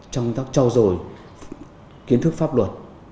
trong công tác cho rồi kiến thức pháp luật